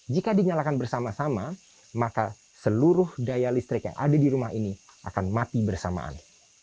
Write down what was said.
jika dinyalakan bersama sama maka seluruh daya listrik yang ada di rumah ini akan mati bersamaan